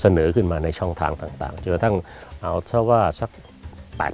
เสนอขึ้นมาในช่องทางต่างจนกระทั่งเอาถ้าว่าสักแปด